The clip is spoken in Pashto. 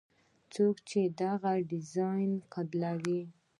څوک چې دغه ډیزاین قبلوي.